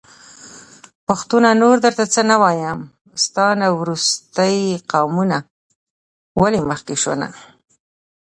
پښتونه نور درته څه نه وايم.. ستا نه وروستی قامونه ولي مخکې شو نه